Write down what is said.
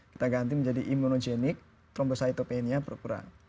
kita ganti menjadi imunogenik trombositopenia berkurang